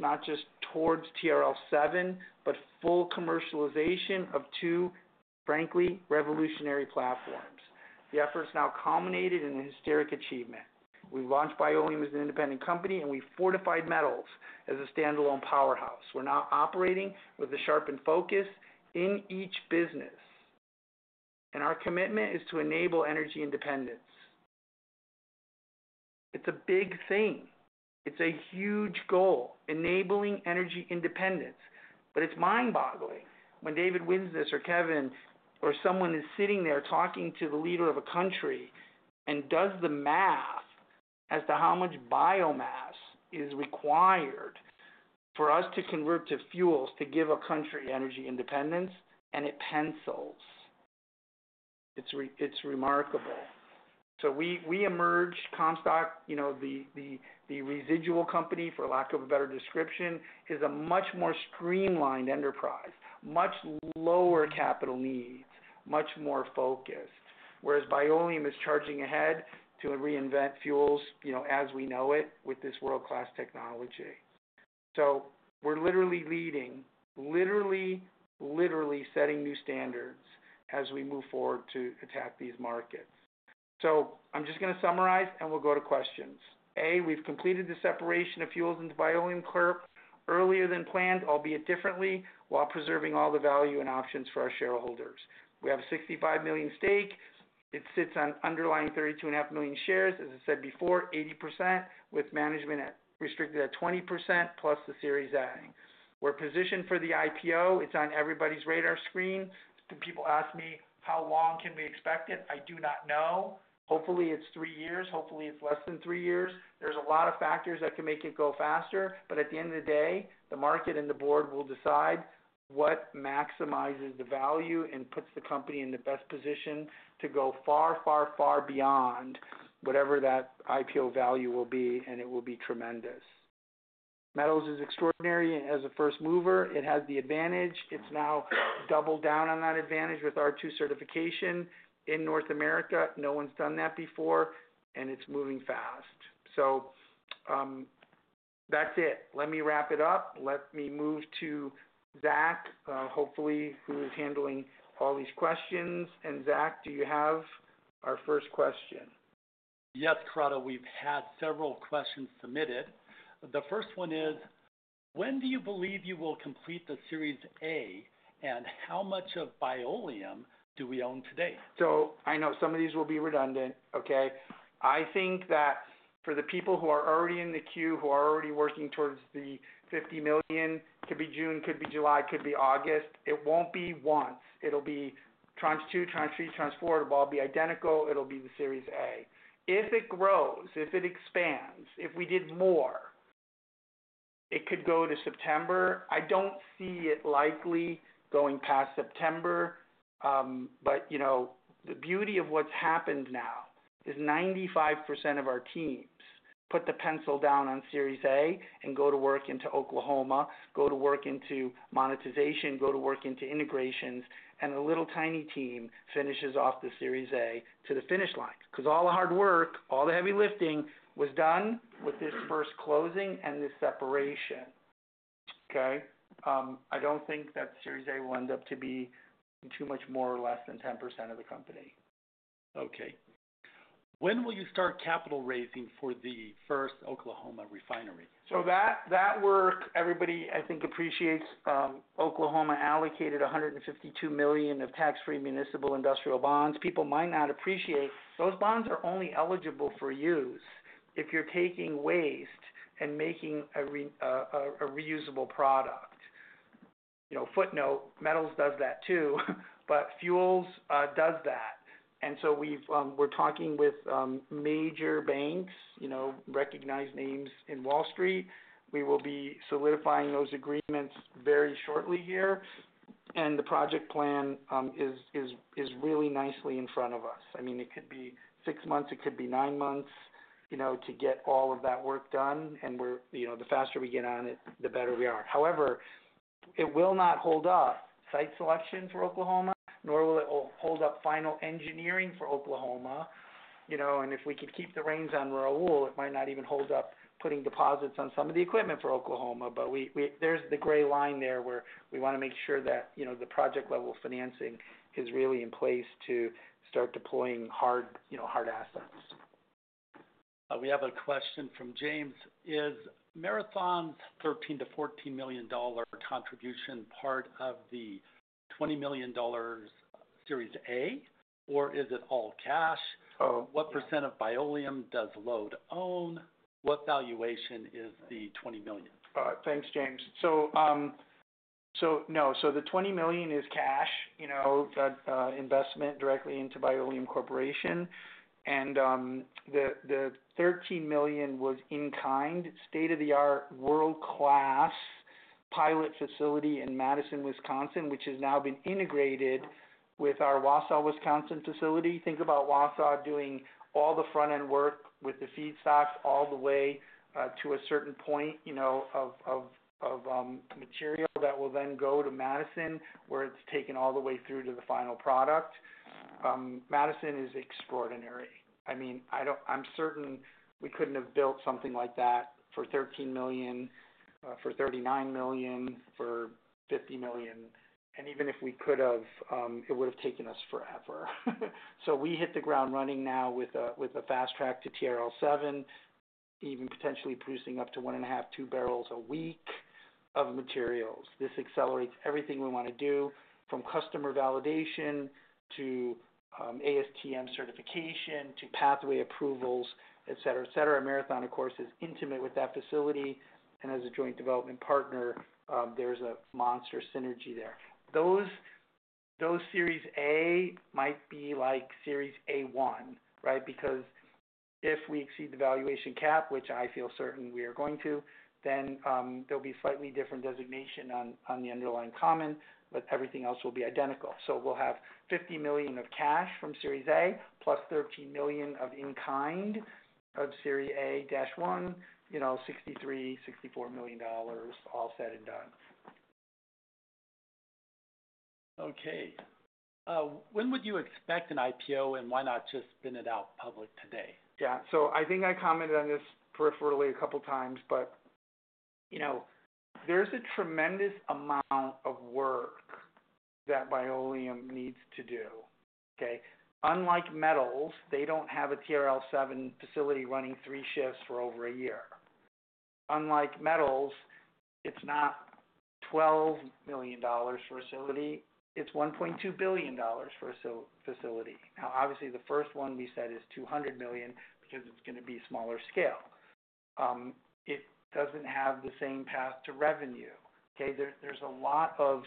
not just towards TRL7, but full commercialization of two, frankly, revolutionary platforms. The effort's now culminated in a historic achievement. We've launched Bioleum as an independent company, and we've fortified Metals as a standalone powerhouse. We're now operating with a sharpened focus in each business. Our commitment is to enable energy independence. It's a big thing. It's a huge goal, enabling energy independence. It's mind-boggling when David Winsness or Kevin or someone is sitting there talking to the leader of a country and does the math as to how much biomass is required for us to convert to fuels to give a country energy independence, and it pencils. It's remarkable. We emerged Comstock, the residual company, for lack of a better description, as a much more streamlined enterprise, much lower capital needs, much more focused, whereas Bioleum is charging ahead to reinvent fuels as we know it with this world-class technology. We are literally leading, literally, literally setting new standards as we move forward to attack these markets. I am just going to summarize, and we will go to questions. A, we have completed the separation of fuels into Bioleum earlier than planned, albeit differently, while preserving all the value and options for our shareholders. We have a $65 million stake. It sits on underlying 32.5 million shares, as I said before, 80%, with management restricted at 20% plus the Series A. We are positioned for the IPO. It is on everybody's radar screen. When people ask me, "How long can we expect it?" I do not know. Hopefully, it is three years. Hopefully, it's less than three years. There's a lot of factors that can make it go faster. At the end of the day, the market and the board will decide what maximizes the value and puts the company in the best position to go far, far, far beyond whatever that IPO value will be, and it will be tremendous. Metals is extraordinary as a first mover. It has the advantage. It has now doubled down on that advantage with R2 certification in North America. No one's done that before, and it's moving fast. That's it. Let me wrap it up. Let me move to Zach, hopefully, who is handling all these questions. Zach, do you have our first question? Yes, Corrado. We've had several questions submitted. The first one is, "When do you believe you will complete the Series A, and how much of Bioleum do we own today?" I know some of these will be redundant, okay? I think that for the people who are already in the queue, who are already working towards the $50 million, could be June, could be July, could be August, it will not be once. It will be tranche two, tranche three, tranche four. It will all be identical. It will be the Series A. If it grows, if it expands, if we did more, it could go to September. I do not see it likely going past September. The beauty of what's happened now is 95% of our teams put the pencil down on Series A and go to work into Oklahoma, go to work into monetization, go to work into integrations, and a little tiny team finishes off the Series A to the finish line because all the hard work, all the heavy lifting was done with this first closing and this separation, okay? I don't think that Series A will end up to be too much more or less than 10% of the company. Okay. When will you start capital raising for the first Oklahoma refinery? That work, everybody, I think, appreciates. Oklahoma allocated $152 million of tax-free municipal industrial bonds. People might not appreciate those bonds are only eligible for use if you're taking waste and making a reusable product. Footnote, metals does that too, but fuels does that. We're talking with major banks, recognized names in Wall Street. We will be solidifying those agreements very shortly here. The project plan is really nicely in front of us. I mean, it could be six months. It could be nine months to get all of that work done. The faster we get on it, the better we are. However, it will not hold up site selection for Oklahoma, nor will it hold up final engineering for Oklahoma. If we could keep the reins on Rahul, it might not even hold up putting deposits on some of the equipment for Oklahoma. There's the gray line there where we want to make sure that the project-level financing is really in place to start deploying hard assets. We have a question from James. Is Marathon's $13 million-$14 million contribution part of the $20 million Series A, or is it all cash? What percent of Bioleum does LODE own? What valuation is the $20 million? Thanks, James. No. The $20 million is cash, that investment directly into Bioleum Corporation. The $13 million was in-kind, state-of-the-art, world-class pilot facility in Madison, Wisconsin, which has now been integrated with our Wausau, Wisconsin facility. Think about Wausau doing all the front-end work with the feedstocks all the way to a certain point of material that will then go to Madison, where it is taken all the way through to the final product. Madison is extraordinary. I mean, I'm certain we could not have built something like that for $13 million, for $39 million, for $50 million. Even if we could have, it would have taken us forever. We hit the ground running now with a fast track to TRL7, even potentially producing up to one and a half, two barrels a week of materials. This accelerates everything we want to do, from customer validation to ASTM certification to pathway approvals, etc., etc. Marathon, of course, is intimate with that facility. As a joint development partner, there is a monster synergy there. Those Series A might be like Series A1, right? Because if we exceed the valuation cap, which I feel certain we are going to, then there will be a slightly different designation on the underlying common, but everything else will be identical. We will have $50 million of cash from Series A plus $13 million of in-kind of Series A-1, $63 million-$64 million, all said and done. Okay. When would you expect an IPO, and why not just spin it out public today? Yeah. I think I commented on this peripherally a couple of times, but there's a tremendous amount of work that Bioleum needs to do, okay? Unlike metals, they don't have a TRL7 facility running three shifts for over a year. Unlike metals, it's not $12 million for a facility. It's $1.2 billion for a facility. Now, obviously, the first one we said is $200 million because it's going to be smaller scale. It doesn't have the same path to revenue, okay? There's a lot of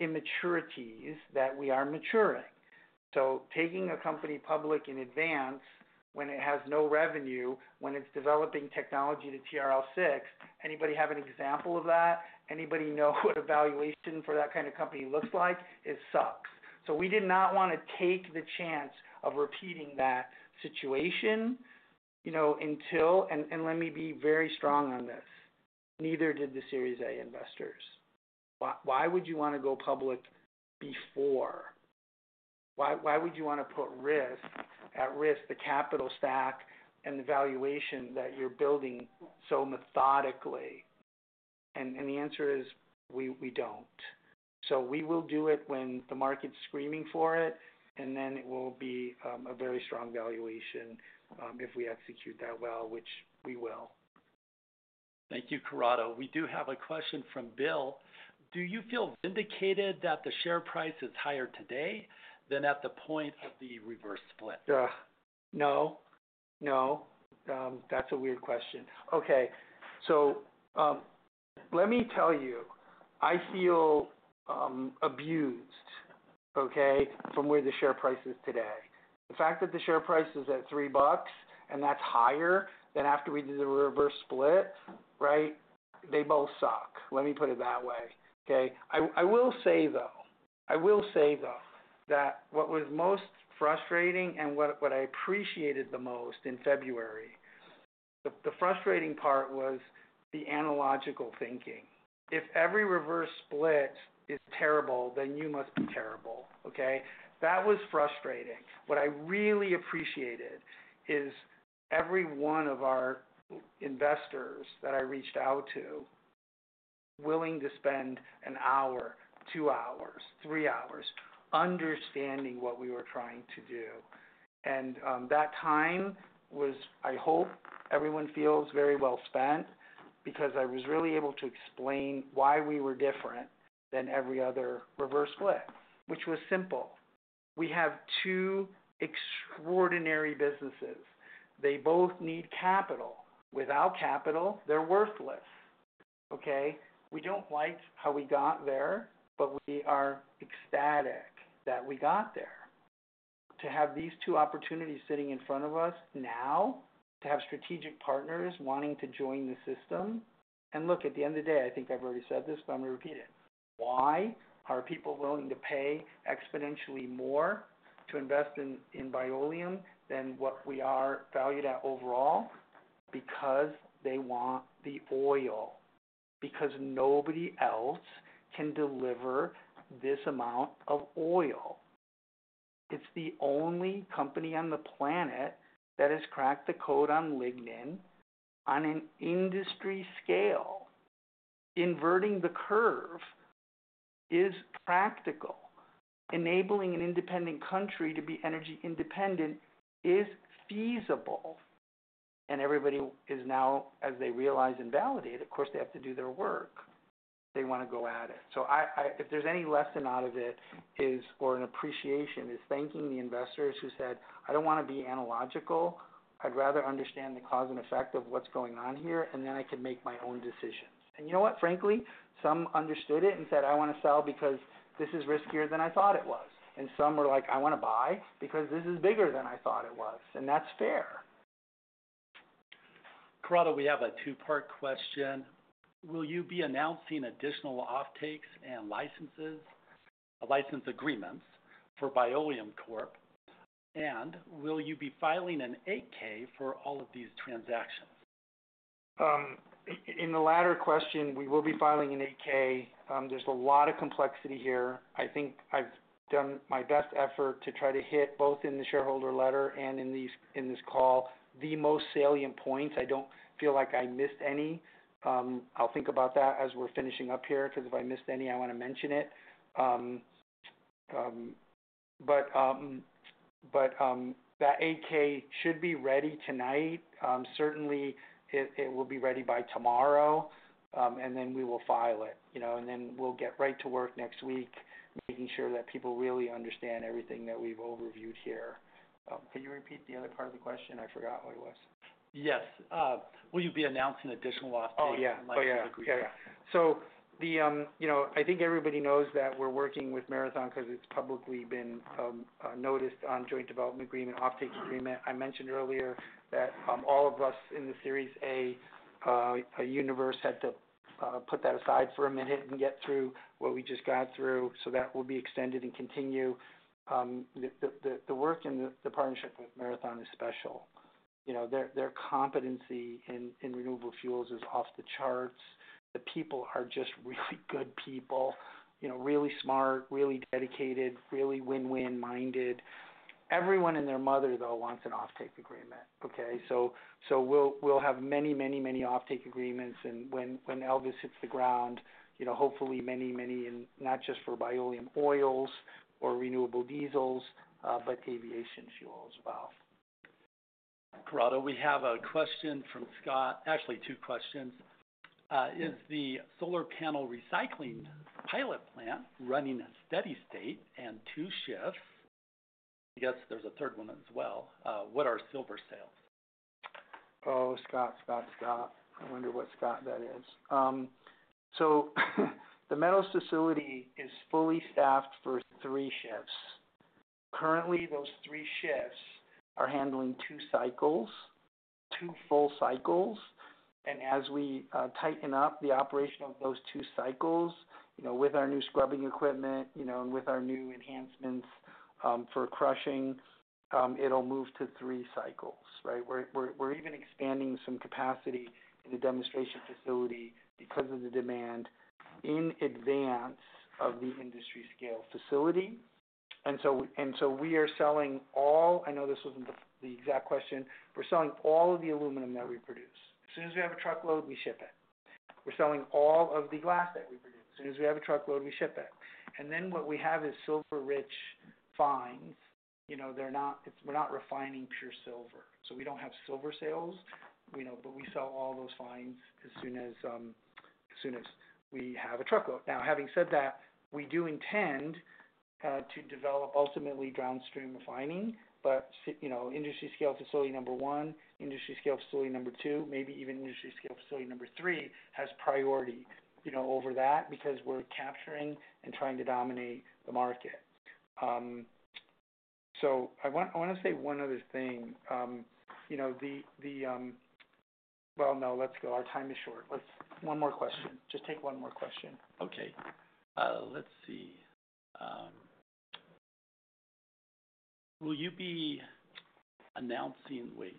immaturities that we are maturing. Taking a company public in advance when it has no revenue, when it's developing technology to TRL6, anybody have an example of that? Anybody know what a valuation for that kind of company looks like? It sucks. We did not want to take the chance of repeating that situation until, and let me be very strong on this, neither did the Series A investors. Why would you want to go public before? Why would you want to put at risk the capital stack and the valuation that you're building so methodically? The answer is we do not. We will do it when the market's screaming for it, and then it will be a very strong valuation if we execute that well, which we will. Thank you, Corrado. We do have a question from Bill. Do you feel vindicated that the share price is higher today than at the point of the reverse split? No. No. That is a weird question. Let me tell you, I feel abused, from where the share price is today. The fact that the share price is at three bucks and that's higher than after we did the reverse split, right? They both suck. Let me put it that way, okay? I will say, though, I will say, though, that what was most frustrating and what I appreciated the most in February, the frustrating part was the analogical thinking. If every reverse split is terrible, then you must be terrible, okay? That was frustrating. What I really appreciated is every one of our investors that I reached out to willing to spend an hour, two hours, three hours understanding what we were trying to do. And that time was, I hope everyone feels, very well spent because I was really able to explain why we were different than every other reverse split, which was simple. We have two extraordinary businesses. They both need capital. Without capital, they're worthless, okay? We don't like how we got there, but we are ecstatic that we got there. To have these two opportunities sitting in front of us now, to have strategic partners wanting to join the system, and look, at the end of the day, I think I've already said this, but I'm going to repeat it. Why are people willing to pay exponentially more to invest in Bioleum than what we are valued at overall? Because they want the oil. Because nobody else can deliver this amount of oil. It's the only company on the planet that has cracked the code on lignin on an industry scale. Inverting the curve is practical. Enabling an independent country to be energy independent is feasible. And everybody is now, as they realize and validate, of course, they have to do their work. They want to go at it. If there's any lesson out of it or an appreciation, it's thanking the investors who said, "I don't want to be analogical. I'd rather understand the cause and effect of what's going on here, and then I can make my own decisions." You know what? Frankly, some understood it and said, "I want to sell because this is riskier than I thought it was." Some were like, "I want to buy because this is bigger than I thought it was." That's fair. Corrado, we have a two-part question. Will you be announcing additional offtakes and license agreements for Bioleum Corporation? Will you be filing an 8-K for all of these transactions? In the latter question, we will be filing an 8-K. There's a lot of complexity here. I think I've done my best effort to try to hit both in the shareholder letter and in this call the most salient points. I don't feel like I missed any. I'll think about that as we're finishing up here because if I missed any, I want to mention it. That 8-K should be ready tonight. Certainly, it will be ready by tomorrow, and then we will file it. We will get right to work next week, making sure that people really understand everything that we've overviewed here. Can you repeat the other part of the question? I forgot what it was. Yes. Will you be announcing additional offtakes and license agreements? Oh, yeah. Yeah. I think everybody knows that we're working with Marathon because it's publicly been noticed on joint development agreement, offtake agreement. I mentioned earlier that all of us in the Series A universe had to put that aside for a minute and get through what we just got through. That will be extended and continue. The work and the partnership with Marathon is special. Their competency in renewable fuels is off the charts. The people are just really good people, really smart, really dedicated, really win-win minded. Everyone and their mother, though, wants an offtake agreement, okay? We will have many, many, many offtake agreements. When Elvis hits the ground, hopefully many, many, not just for Bioleum oils or renewable diesels, but aviation fuel as well. Corrado, we have a question from Scott, actually two questions. Is the solar panel recycling pilot plant running a steady state and two shifts? I guess there is a third one as well. What are silver sales? Oh, Scott, Scott, Scott. I wonder what Scott that is. The metals facility is fully staffed for three shifts. Currently, those three shifts are handling two cycles, two full cycles. As we tighten up the operation of those two cycles with our new scrubbing equipment and with our new enhancements for crushing, it will move to three cycles, right? We are even expanding some capacity in the demonstration facility because of the demand in advance of the industry-scale facility. We are selling all—I know this was not the exact question—we are selling all of the aluminum that we produce. As soon as we have a truckload, we ship it. We are selling all of the glass that we produce. As soon as we have a truckload, we ship it. What we have is silver-rich fines. We are not refining pure silver. We do not have silver sales, but we sell all those fines as soon as we have a truckload. Now, having said that, we do intend to develop ultimately downstream refining, but industry-scale facility number one, industry-scale facility number two, maybe even industry-scale facility number three has priority over that because we are capturing and trying to dominate the market. I want to say one other thing. No, let us go. Our time is short. One more question. Just take one more question. Okay. Let us see. Will you be announcing—wait,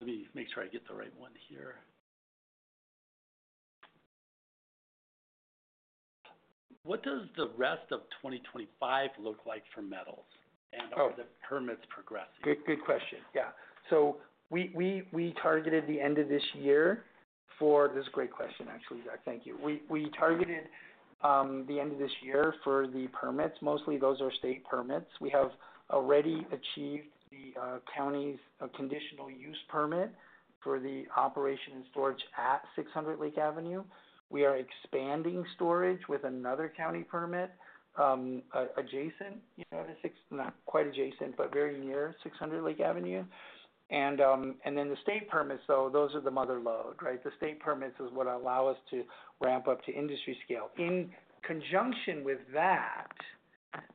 let me make sure I get the right one here. What does the rest of 2025 look like for metals and are the permits progressing? Good question. Yeah. We targeted the end of this year for—this is a great question, actually, Zach. Thank you. We targeted the end of this year for the permits. Mostly, those are state permits. We have already achieved the county's conditional use permit for the operation and storage at 600 Lake Avenue. We are expanding storage with another county permit very near 600 Lake Avenue. The state permits, though, those are the mother load, right? The state permits are what allow us to ramp up to industry scale. In conjunction with that,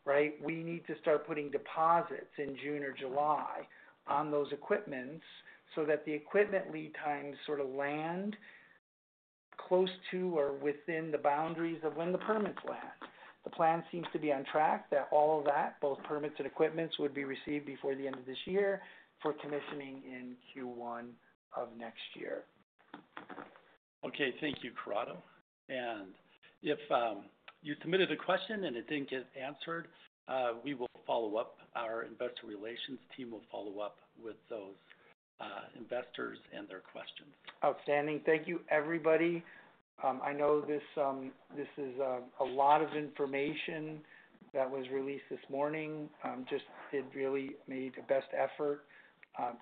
right, we need to start putting deposits in June or July on those equipments so that the equipment lead times sort of land close to or within the boundaries of when the permits land. The plan seems to be on track that all of that, both permits and equipments, would be received before the end of this year for commissioning in Q1 of next year. Okay. Thank you, Corrado. If you submitted a question and it did not get answered, we will follow up. Our investor relations team will follow up with those investors and their questions. Outstanding. Thank you, everybody. I know this is a lot of information that was released this morning. Just really made the best effort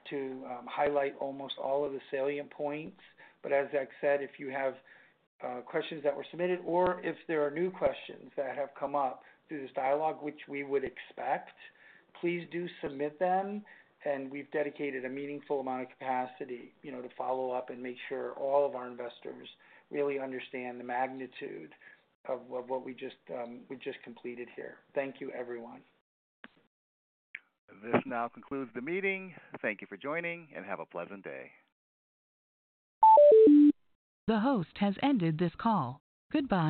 to highlight almost all of the salient points. As Zach said, if you have questions that were submitted or if there are new questions that have come up through this dialogue, which we would expect, please do submit them. We have dedicated a meaningful amount of capacity to follow up and make sure all of our investors really understand the magnitude of what we just completed here. Thank you, everyone. This now concludes the meeting. Thank you for joining, and have a pleasant day. The host has ended this call. Goodbye.